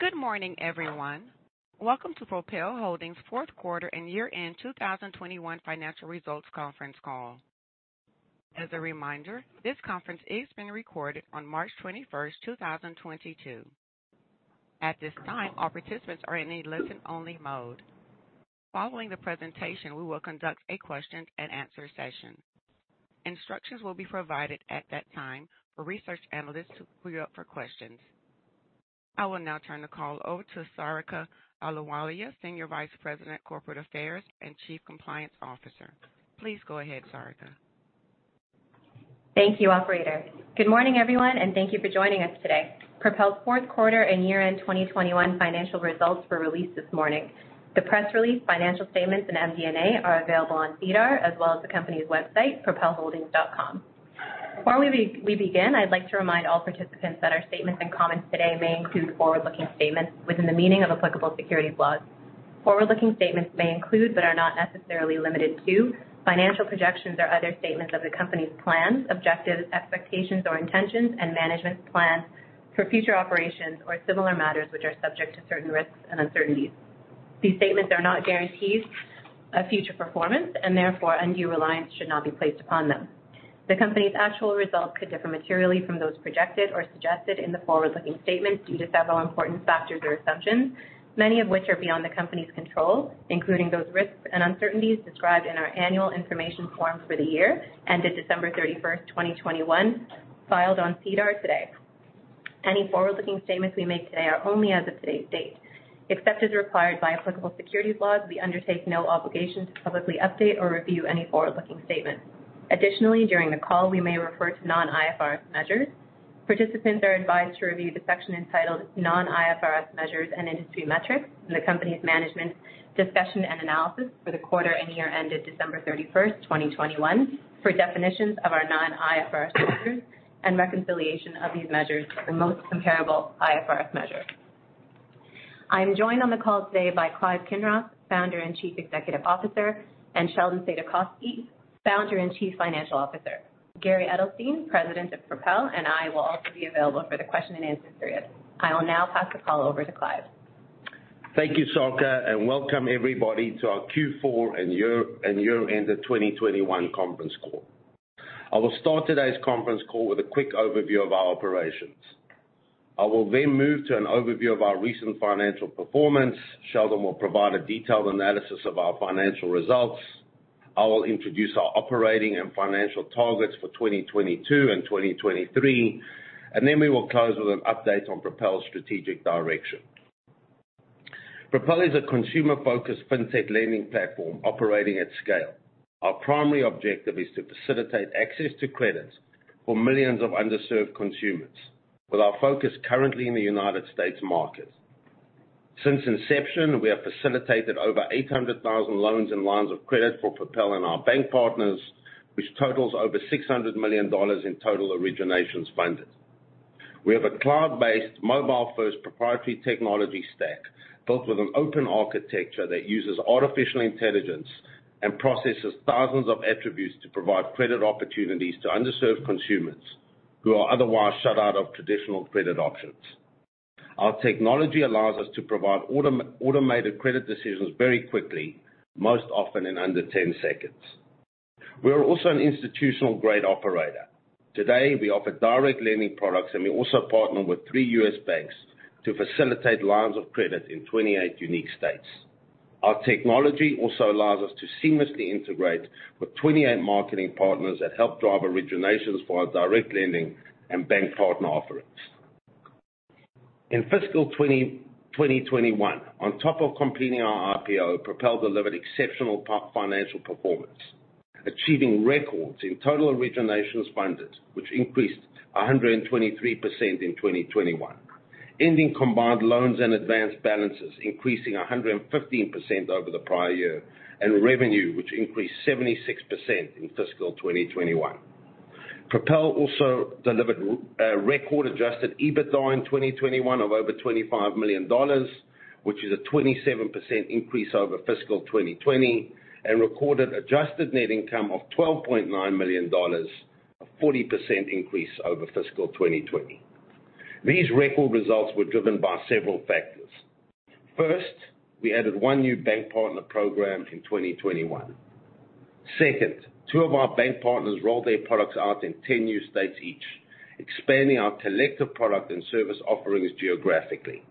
Good morning, everyone. Welcome to Propel Holdings Q4 and year-end 2021 financial results conference call. As a reminder, this conference is being recorded on March 21, 2022. At this time, all participants are in a listen only mode. Following the presentation, we will conduct a question-and-answer session. Instructions will be provided at that time for research analysts to queue up for questions. I will now turn the call over to Sarika Ahluwalia, Senior Vice President, Corporate Affairs and Chief Compliance Officer. Please go ahead, Sarika. Thank you, operator. Good morning, everyone, and thank you for joining us today. Propel's Q4 and year-end 2021 financial results were released this morning. The press release, financial statements, and MD&A are available on SEDAR as well as the company's website, propelholdings.com. Before we begin, I'd like to remind all participants that our statements and comments today may include forward-looking statements within the meaning of applicable securities laws. Forward-looking statements may include but are not necessarily limited to financial projections or other statements of the company's plans, objectives, expectations, or intentions, and management's plans for future operations or similar matters which are subject to certain risks and uncertainties. These statements are not guarantees of future performance and therefore undue reliance should not be placed upon them. The company's actual results could differ materially from those projected or suggested in the forward-looking statements due to several important factors or assumptions, many of which are beyond the company's control, including those risks and uncertainties described in our Annual Information Form for the year ended December 31, 2021, filed on SEDAR today. Any forward-looking statements we make today are only as of today's date. Except as required by applicable securities laws, we undertake no obligation to publicly update or review any forward-looking statements. Additionally, during the call, we may refer to non-IFRS measures. Participants are advised to review the section entitled Non-IFRS Measures and Industry Metrics in the company's Management's Discussion and Analysis for the quarter and year ended December 31st, 2021 for definitions of our non-IFRS measures and reconciliation of these measures for the most comparable IFRS measure. I'm joined on the call today by Clive Kinross, Founder and Chief Executive Officer, and Sheldon Saidakovsky, Founder and Chief Financial Officer. Gary Edelstein, President of Propel, and I will also be available for the question and answer period. I will now pass the call over to Clive. Thank you, Sarika, and welcome everybody to our Q4 and year-end 2021 conference call. I will start today's conference call with a quick overview of our operations. I will then move to an overview of our recent financial performance. Sheldon will provide a detailed analysis of our financial results. I will introduce our operating and financial targets for 2022 and 2023, and then we will close with an update on Propel's strategic direction. Propel is a consumer-focused fintech lending platform operating at scale. Our primary objective is to facilitate access to credit for millions of underserved consumers, with our focus currently in the United States market. Since inception, we have facilitated over 800,000 loans and lines of credit for Propel and our bank partners, which totals over $600 million in total originations funded. We have a cloud-based mobile-first proprietary technology stack built with an open architecture that uses artificial intelligence and processes thousands of attributes to provide credit opportunities to underserved consumers who are otherwise shut out of traditional credit options. Our technology allows us to provide automated credit decisions very quickly, most often in under 10 seconds. We are also an institutional-grade operator. Today, we offer direct lending products, and we also partner with three U.S. banks to facilitate lines of credit in 28 unique states. Our technology also allows us to seamlessly integrate with 28 marketing partners that help drive originations for our direct lending and bank partner offerings. In fiscal 2021, on top of completing our IPO, Propel delivered exceptional top financial performance, achieving records in total originations funded, which increased 123% in 2021. Ending combined loans and advanced balances increasing 115% over the prior year, and revenue, which increased 76% in fiscal 2021. Propel also delivered record adjusted EBITDA in 2021 of over 25 million dollars, which is a 27% increase over fiscal 2020, and recorded adjusted net income of 12.9 million dollars, a 40% increase over fiscal 2020. These record results were driven by several factors. First, we added one new bank partner program in 2021. Second, two of our bank partners rolled their products out in 10 new states each, expanding our collective product and service offerings geographically.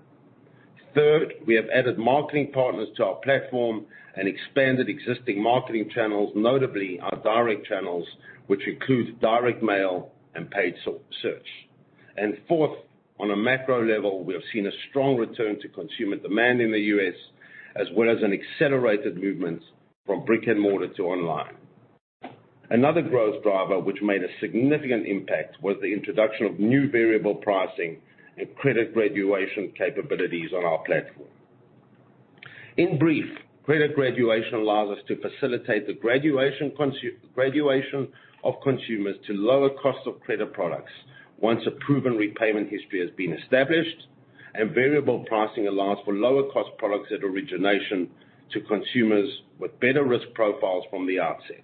Third, we have added marketing partners to our platform and expanded existing marketing channels, notably our direct channels, which include direct mail and paid search. Fourth, on a macro level, we have seen a strong return to consumer demand in the U.S., as well as an accelerated movement from brick and mortar to online. Another growth driver which made a significant impact was the introduction of new variable pricing and credit graduation capabilities on our platform. In brief, credit graduation allows us to facilitate the graduation of consumers to lower costs of credit products once a proven repayment history has been established. Variable pricing allows for lower cost products at origination to consumers with better risk profiles from the outset.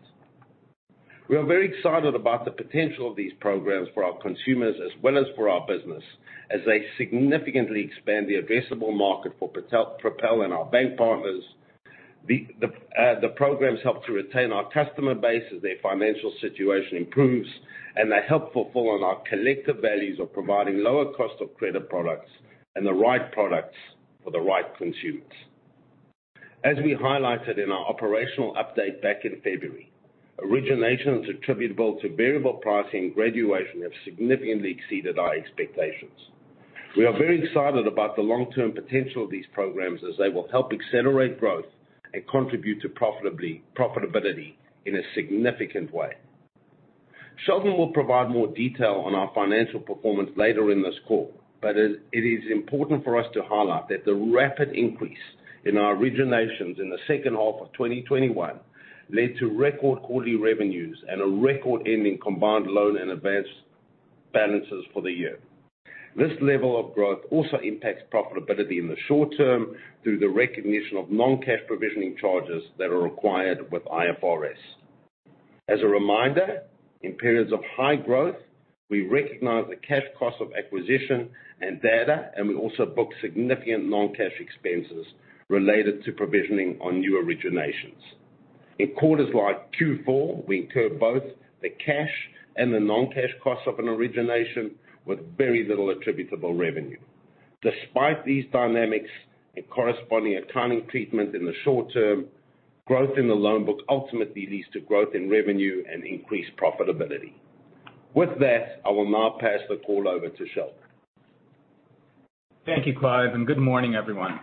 We are very excited about the potential of these programs for our consumers as well as for our business as they significantly expand the addressable market for Propel and our bank partners. The programs help to retain our customer base as their financial situation improves, and they help fulfill on our collective values of providing lower cost of credit products and the right products for the right consumers. As we highlighted in our operational update back in February, originations attributable to variable pricing graduation have significantly exceeded our expectations. We are very excited about the long-term potential of these programs as they will help accelerate growth and contribute to profitability in a significant way. Sheldon will provide more detail on our financial performance later in this call, but it is important for us to highlight that the rapid increase in our originations in the H2 of 2021 led to record quarterly revenues and a record ending combined loan and advanced balances for the year. This level of growth also impacts profitability in the short term through the recognition of non-cash provisioning charges that are required with IFRS. As a reminder, in periods of high growth, we recognize the cash cost of acquisition and data, and we also book significant non-cash expenses related to provisioning on new originations. In quarters like Q4, we incur both the cash and the non-cash costs of an origination with very little attributable revenue. Despite these dynamics and corresponding accounting treatment in the short term, growth in the loan book ultimately leads to growth in revenue and increased profitability. With that, I will now pass the call over to Sheldon. Thank you, Clive, and good morning, everyone.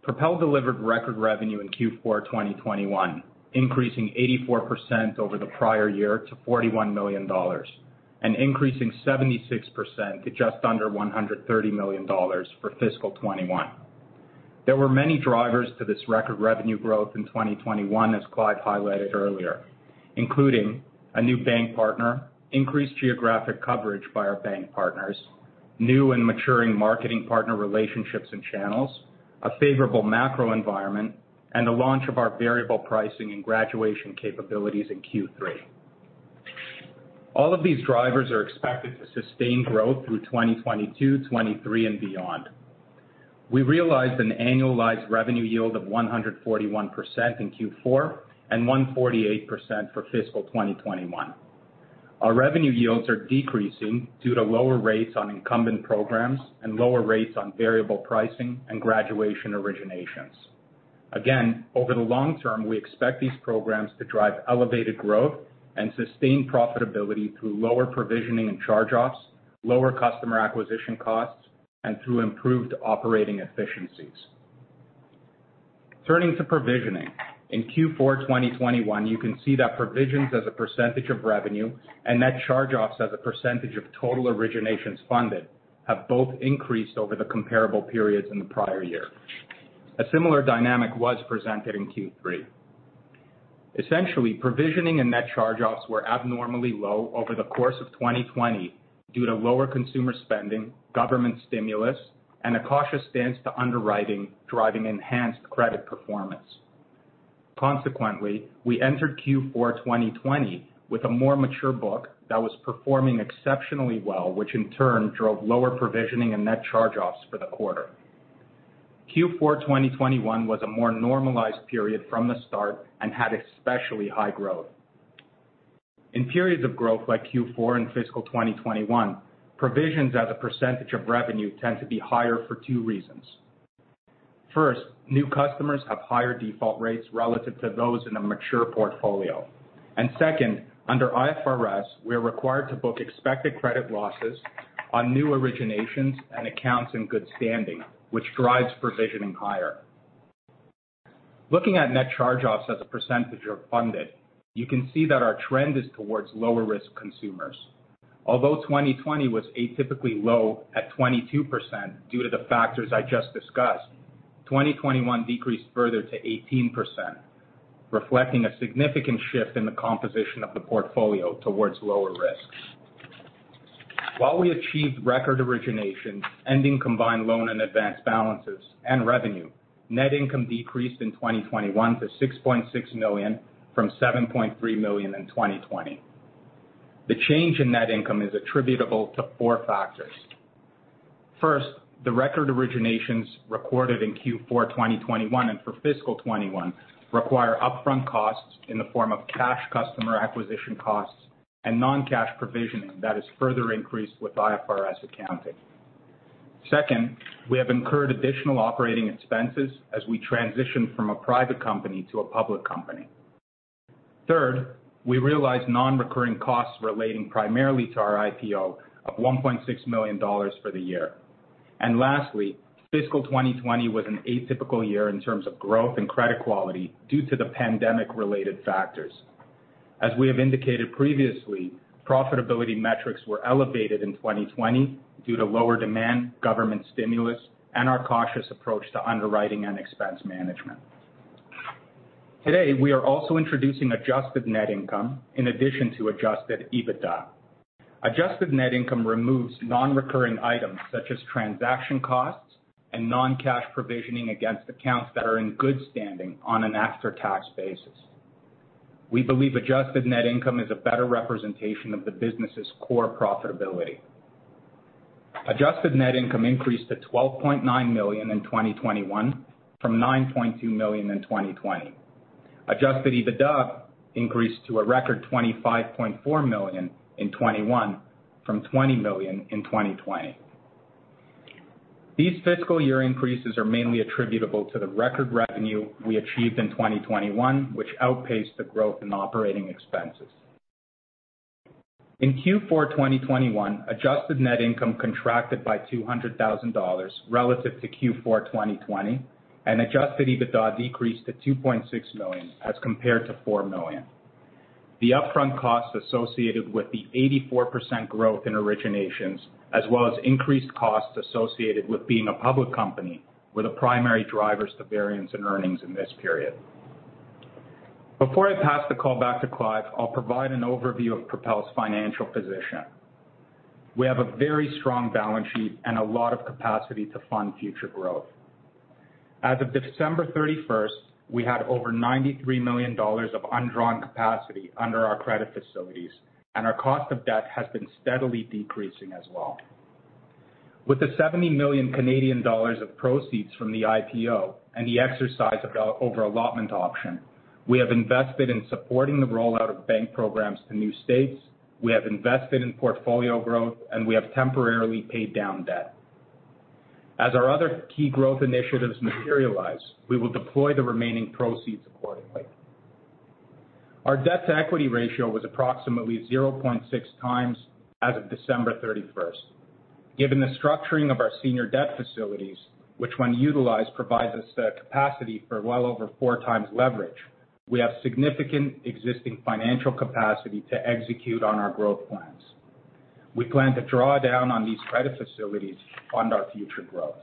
Propel delivered record revenue in Q4 2021, increasing 84% over the prior year to 41 million dollars and increasing 76% to just under 130 million dollars for fiscal 2021. There were many drivers to this record revenue growth in 2021, as Clive highlighted earlier, including a new bank partner, increased geographic coverage by our bank partners, new and maturing marketing partner relationships and channels, a favorable macro environment, and the launch of our variable pricing and graduation capabilities in Q3. All of these drivers are expected to sustain growth through 2022, 2023 and beyond. We realized an annualized revenue yield of 141% in Q4 and 148% for fiscal 2021. Our revenue yields are decreasing due to lower rates on incumbent programs and lower rates on variable pricing and graduation originations. Again, over the long term, we expect these programs to drive elevated growth and sustain profitability through lower provisioning and charge-offs, lower customer acquisition costs, and through improved operating efficiencies. Turning to provisioning. In Q4 2021, you can see that provisions as a percentage of revenue and net charge-offs as a percentage of total originations funded have both increased over the comparable periods in the prior year. A similar dynamic was presented in Q3. Essentially, provisioning and net charge-offs were abnormally low over the course of 2020 due to lower consumer spending, government stimulus, and a cautious stance to underwriting, driving enhanced credit performance. Consequently, we entered Q4 2020 with a more mature book that was performing exceptionally well, which in turn drove lower provisioning and net charge-offs for the quarter. Q4 2021 was a more normalized period from the start and had especially high growth. In periods of growth like Q4 and fiscal 2021, provisions as a percentage of revenue tend to be higher for two reasons. First, new customers have higher default rates relative to those in a mature portfolio. Second, under IFRS, we are required to book expected credit losses on new originations and accounts in good standing, which drives provisioning higher. Looking at net charge-offs as a percentage of funded, you can see that our trend is towards lower-risk consumers. Although 2020 was atypically low at 22% due to the factors I just discussed, 2021 decreased further to 18%, reflecting a significant shift in the composition of the portfolio towards lower risk. While we achieved record origination, ending combined loan and advanced balances and revenue, net income decreased in 2021 to 6.6 million from 7.3 million in 2020. The change in net income is attributable to four factors. First, the record originations recorded in Q4 2021 and for fiscal 2021 require upfront costs in the form of cash customer acquisition costs and non-cash provisioning that is further increased with IFRS accounting. Second, we have incurred additional operating expenses as we transition from a private company to a public company. Third, we realized non-recurring costs relating primarily to our IPO of 1.6 million dollars for the year. Lastly, fiscal 2020 was an atypical year in terms of growth and credit quality due to the pandemic-related factors. As we have indicated previously, profitability metrics were elevated in 2020 due to lower demand, government stimulus, and our cautious approach to underwriting and expense management. Today, we are also introducing adjusted net income in addition to adjusted EBITDA. Adjusted net income removes non-recurring items such as transaction costs and non-cash provisioning against accounts that are in good standing on an after-tax basis. We believe adjusted net income is a better representation of the business's core profitability. Adjusted net income increased to 12.9 million in 2021 from 9.2 million in 2020. Adjusted EBITDA increased to a record 25.4 million in 2021 from 20 million in 2020. These fiscal year increases are mainly attributable to the record revenue we achieved in 2021, which outpaced the growth in operating expenses. In Q4 2021, adjusted net income contracted by 200,000 dollars relative to Q4 2020, and adjusted EBITDA decreased to 2.6 million as compared to 4 million. The upfront costs associated with the 84% growth in originations, as well as increased costs associated with being a public company, were the primary drivers to variance in earnings in this period. Before I pass the call back to Clive, I'll provide an overview of Propel's financial position. We have a very strong balance sheet and a lot of capacity to fund future growth. As of December 31st, we had over 93 million dollars of undrawn capacity under our credit facilities, and our cost of debt has been steadily decreasing as well. With the 70 million Canadian dollars of proceeds from the IPO and the exercise of the over-allotment option, we have invested in supporting the rollout of bank programs to new states. We have invested in portfolio growth, and we have temporarily paid down debt. As our other key growth initiatives materialize, we will deploy the remaining proceeds accordingly. Our debt-to-equity ratio was approximately 0.6x as of December 31st. Given the structuring of our senior debt facilities, which when utilized, provides us the capacity for well over 4 times leverage, we have significant existing financial capacity to execute on our growth plans. We plan to draw down on these credit facilities to fund our future growth.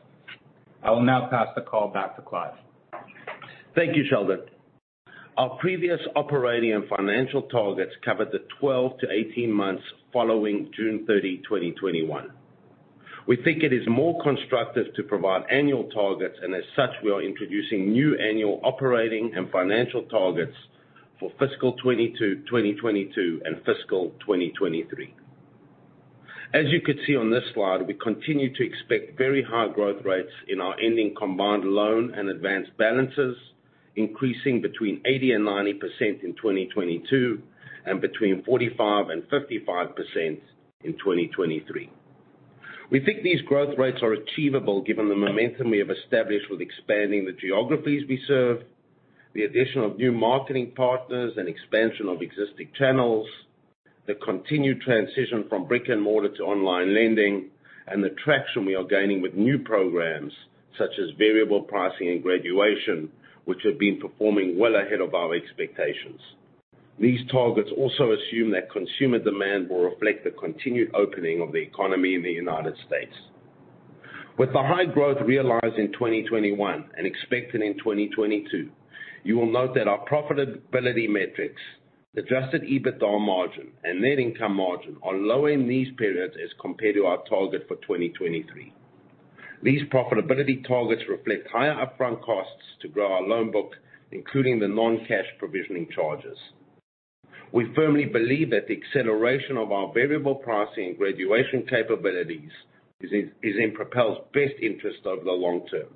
I will now pass the call back to Clive. Thank you, Sheldon. Our previous operating and financial targets covered the 12-18 months following June 30th, 2021. We think it is more constructive to provide annual targets, and as such, we are introducing new annual operating and financial targets for fiscal 2022 and fiscal 2023. As you can see on this slide, we continue to expect very high growth rates in our ending combined loan and advanced balances, increasing between 80%-90% in 2022 and between 45%-55% in 2023. We think these growth rates are achievable given the momentum we have established with expanding the geographies we serve, the addition of new marketing partners and expansion of existing channels, the continued transition from brick and mortar to online lending, and the traction we are gaining with new programs such as variable pricing and graduation, which have been performing well ahead of our expectations. These targets also assume that consumer demand will reflect the continued opening of the economy in the United States. With the high growth realized in 2021 and expected in 2022, you will note that our profitability metrics, adjusted EBITDA margin, and net income margin are low in these periods as compared to our target for 2023. These profitability targets reflect higher upfront costs to grow our loan book, including the non-cash provisioning charges. We firmly believe that the acceleration of our variable pricing graduation capabilities is in Propel's best interest over the long term.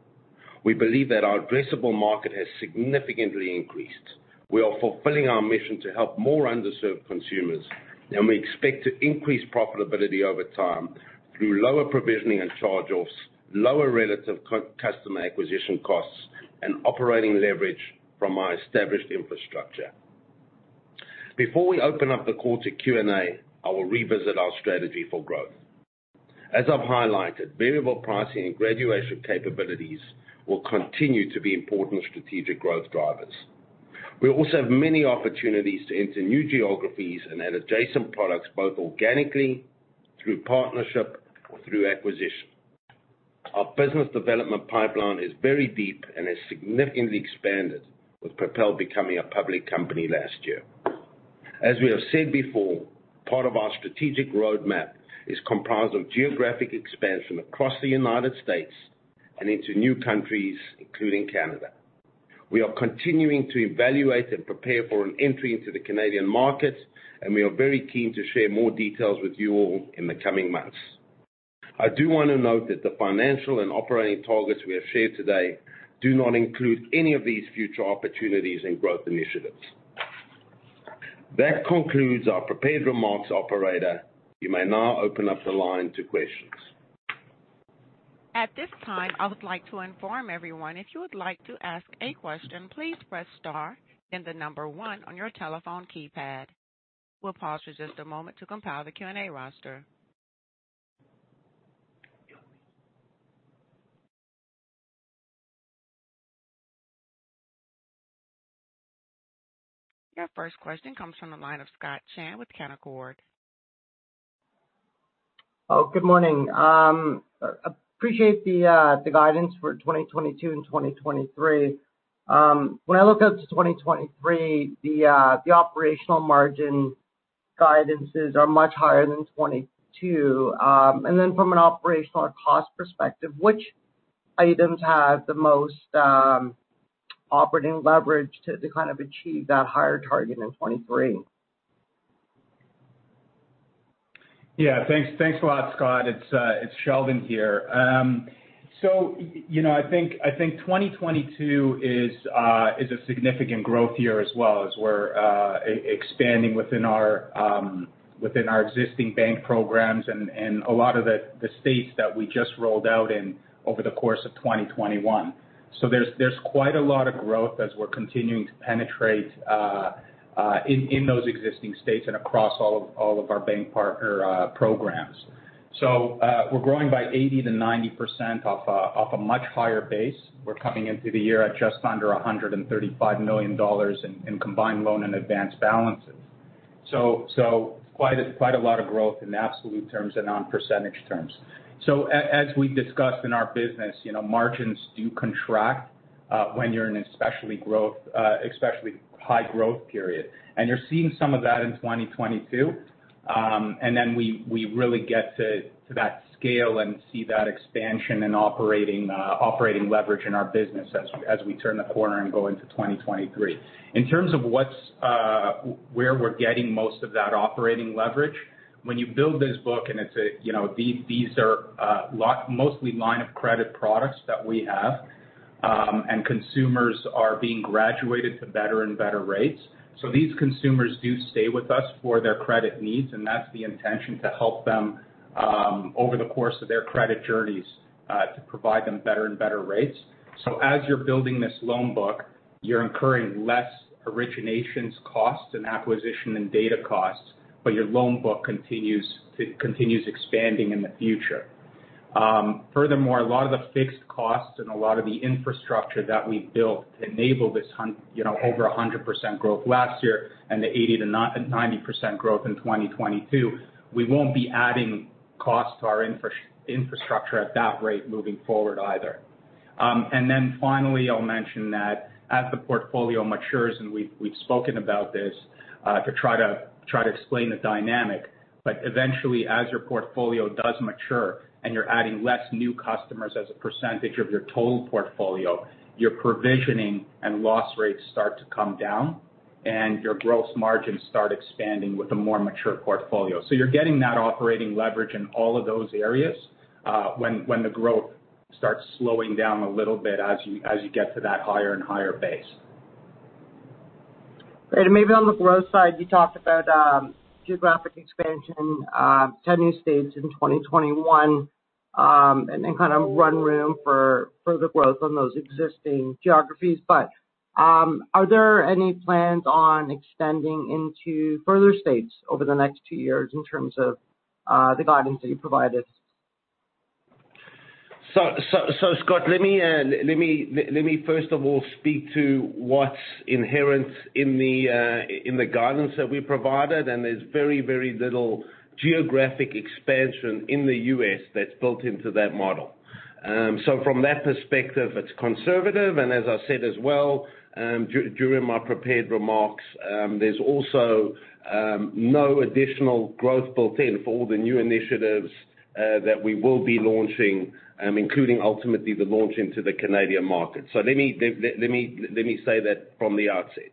We believe that our addressable market has significantly increased. We are fulfilling our mission to help more underserved consumers, and we expect to increase profitability over time through lower provisioning and charge-offs, lower relative customer acquisition costs, and operating leverage from our established infrastructure. Before we open up the call to Q&A, I will revisit our strategy for growth. As I've highlighted, variable pricing and graduation capabilities will continue to be important strategic growth drivers. We also have many opportunities to enter new geographies and add adjacent products, both organically through partnership or through acquisition. Our business development pipeline is very deep and has significantly expanded with Propel becoming a public company last year. As we have said before, part of our strategic roadmap is comprised of geographic expansion across the United States and into new countries, including Canada. We are continuing to evaluate and prepare for an entry into the Canadian market, and we are very keen to share more details with you all in the coming months. I do want to note that the financial and operating targets we have shared today do not include any of these future opportunities and growth initiatives. That concludes our prepared remarks, operator. You may now open up the line to questions. At this time, I would like to inform everyone if you would like to ask a question, please press star then the number one on your telephone keypad. We'll pause just a moment to compile the Q&A roster. Your first question comes from the line of Scott Chan with Canaccord Genuity. Oh, good morning. Appreciate the guidance for 2022 and 2023. When I look out to 2023, the operational margin guidances are much higher than 2022. From an operational or cost perspective, which items have the most operating leverage to kind of achieve that higher target in 2023? Yeah, thanks. Thanks a lot, Scott. It's Sheldon here. You know, I think 2022 is a significant growth year as well as we're expanding within our existing bank programs and a lot of the states that we just rolled out in over the course of 2021. There's quite a lot of growth as we're continuing to penetrate in those existing states and across all of our bank partner programs. We're growing by 80%-90% off a much higher base. We're coming into the year at just under $135 million in combined loan and advanced balances. Quite a lot of growth in absolute terms and on percentage terms. We've discussed in our business, you know, margins do contract when you're in especially high growth period. You're seeing some of that in 2022. We really get to that scale and see that expansion and operating leverage in our business as we turn the corner and go into 2023. In terms of where we're getting most of that operating leverage, when you build this book and it's a, you know, these are mostly line of credit products that we have, and consumers are being graduated to better and better rates. These consumers do stay with us for their credit needs, and that's the intention, to help them over the course of their credit journeys to provide them better and better rates. As you're building this loan book, you're incurring less originations costs and acquisition and data costs, but your loan book continues expanding in the future. Furthermore, a lot of the fixed costs and a lot of the infrastructure that we've built to enable this, you know, over 100% growth last year and the 80%-90% growth in 2022, we won't be adding cost to our infrastructure at that rate moving forward either. Finally, I'll mention that as the portfolio matures, and we've spoken about this, to try to explain the dynamic. Eventually, as your portfolio does mature and you're adding less new customers as a percentage of your total portfolio, your provisioning and loss rates start to come down, and your gross margins start expanding with a more mature portfolio. You're getting that operating leverage in all of those areas, when the growth starts slowing down a little bit as you get to that higher and higher base. Great. Maybe on the growth side, you talked about geographic expansion, 10 new states in 2021, and then kind of run room for further growth on those existing geographies. Are there any plans on extending into further states over the next two years in terms of the guidance that you provided? Scott, let me first of all speak to what's inherent in the guidance that we provided, and there's very little geographic expansion in the U.S. that's built into that model. From that perspective, it's conservative. As I said as well, during my prepared remarks, there's also no additional growth built in for all the new initiatives that we will be launching, including ultimately the launch into the Canadian market. Let me say that from the outset.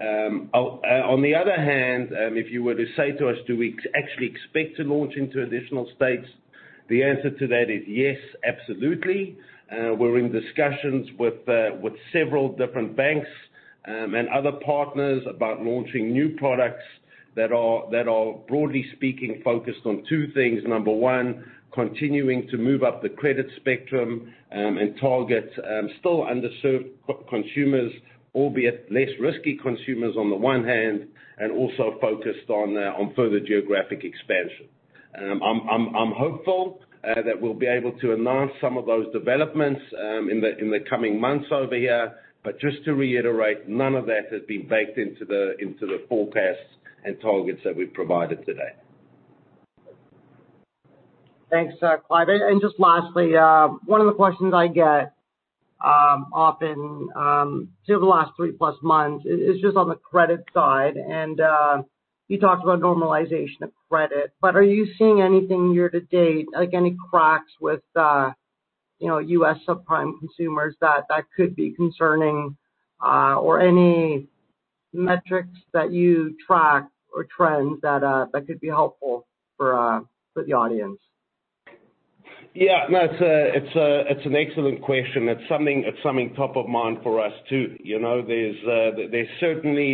On the other hand, if you were to say to us, do we actually expect to launch into additional states? The answer to that is yes, absolutely. We're in discussions with several different banks and other partners about launching new products that are, broadly speaking, focused on two things. Number one, continuing to move up the credit spectrum and target still underserved consumers, albeit less risky consumers on the one hand, and also focused on further geographic expansion. I'm hopeful that we'll be able to announce some of those developments in the coming months over here. Just to reiterate, none of that has been baked into the forecasts and targets that we've provided today. Thanks, Clive. Just lastly, one of the questions I get often through the last three-plus months is just on the credit side. You talked about normalization of credit, but are you seeing anything year to date, like any cracks with, you know, U.S. subprime consumers that could be concerning, or any metrics that you track or trends that could be helpful for the audience? It's an excellent question. It's something top of mind for us too. You know, there's certainly,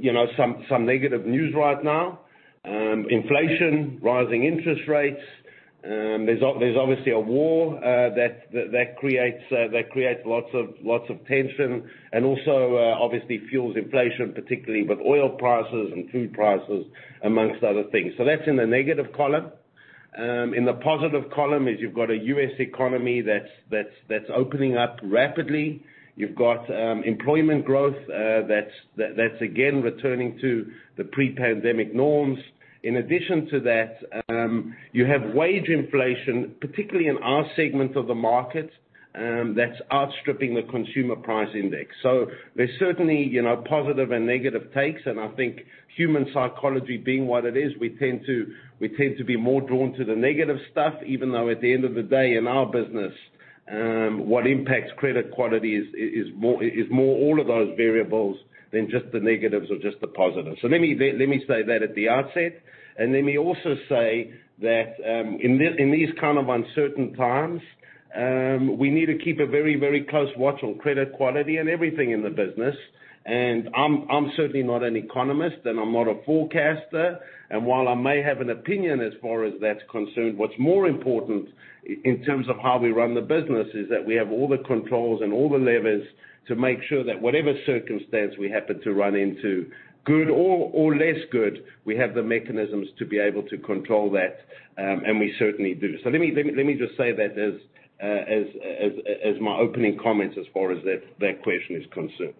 you know, some negative news right now, inflation, rising interest rates. There's obviously a war that creates lots of tension and also obviously fuels inflation, particularly with oil prices and food prices among other things. That's in the negative column. In the positive column is you've got a U.S. economy that's opening up rapidly. You've got employment growth that's again returning to the pre-pandemic norms. In addition to that, you have wage inflation, particularly in our segment of the market, that's outstripping the Consumer Price Index. So there's certainly, you know, positive and negative takes, and I think human psychology being what it is, we tend to be more drawn to the negative stuff even though at the end of the day, in our business, what impacts credit quality is more all of those variables than just the negatives or just the positives. Let me say that at the outset, and let me also say that, in these kind of uncertain times, we need to keep a very, very close watch on credit quality and everything in the business. I'm certainly not an economist, and I'm not a forecaster, and while I may have an opinion as far as that's concerned, what's more important in terms of how we run the business is that we have all the controls and all the levers to make sure that whatever circumstance we happen to run into, good or less good, we have the mechanisms to be able to control that, and we certainly do. Let me just say that as my opening comments as far as that question is concerned.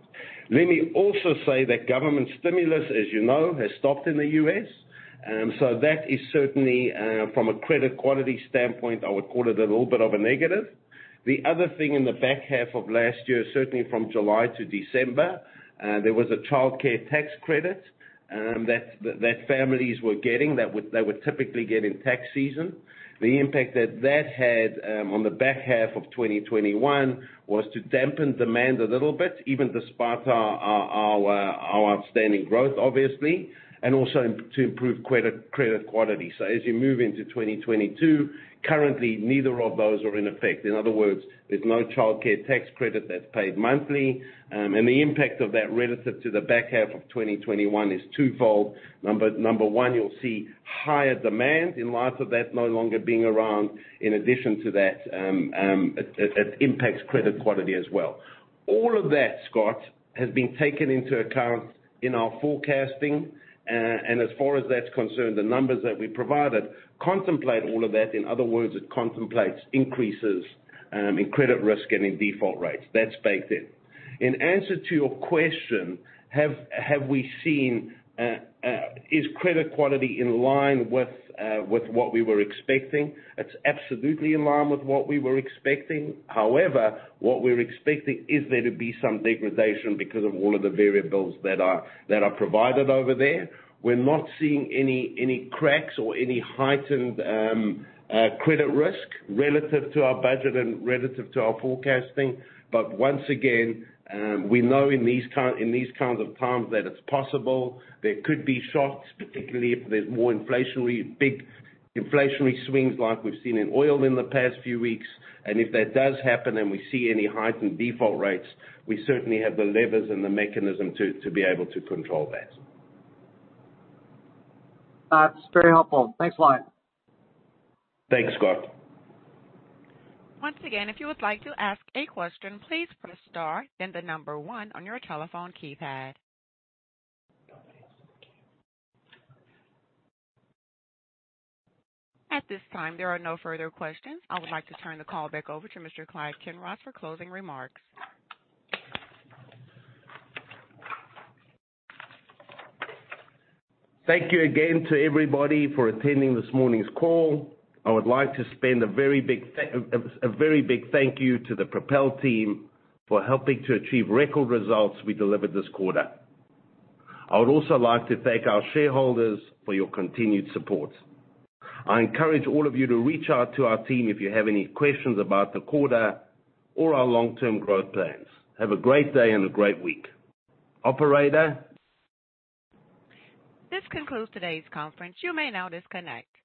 Let me also say that government stimulus, as you know, has stopped in the U.S. That is certainly from a credit quality standpoint, I would call it a little bit of a negative. The other thing in the back half of last year, certainly from July to December, there was a Child Tax Credit that families were getting that they would typically get in tax season. The impact that had on the back half of 2021 was to dampen demand a little bit, even despite our outstanding growth, obviously, and also to improve credit quality. As you move into 2022, currently neither of those are in effect. In other words, there's no Child Tax Credit that's paid monthly, and the impact of that relative to the back half of 2021 is twofold. Number one, you'll see higher demand in light of that no longer being around. In addition to that, it impacts credit quality as well. All of that, Scott, has been taken into account in our forecasting, and as far as that's concerned, the numbers that we provided contemplate all of that. In other words, it contemplates increases in credit risk and in default rates. That's baked in. In answer to your question, is credit quality in line with what we were expecting? It's absolutely in line with what we were expecting. However, what we're expecting is there to be some degradation because of all of the variables that are provided over there. We're not seeing any cracks or any heightened credit risk relative to our budget and relative to our forecasting. Once again, we know in these kinds of times that it's possible there could be shocks, particularly if there's more inflationary, big inflationary swings like we've seen in oil in the past few weeks. If that does happen and we see any heightened default rates, we certainly have the levers and the mechanism to be able to control that. That's very helpful. Thanks a lot. Thanks, Scott. Once again, if you would like to ask a question, please press star then the number one on your telephone keypad. At this time, there are no further questions. I would like to turn the call back over to Mr. Clive Kinross for closing remarks. Thank you again to everybody for attending this morning's call. I would like to send a very big thank you to the Propel team for helping to achieve record results we delivered this quarter. I would also like to thank our shareholders for your continued support. I encourage all of you to reach out to our team if you have any questions about the quarter or our long-term growth plans. Have a great day and a great week. Operator? This concludes today's conference. You may now disconnect.